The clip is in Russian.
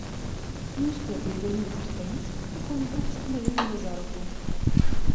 Не успел перевернуть двух страниц, как он вдруг остановил меня за руку.